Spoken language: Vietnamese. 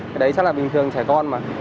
cái đấy chắc là bình thường trẻ con mà